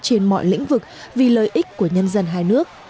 trên mọi lĩnh vực vì lợi ích của nhân dân hai nước